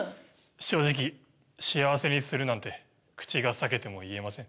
正直幸せにするなんて口が裂けても言えません。